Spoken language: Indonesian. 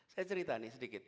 saya cerita nih sedikit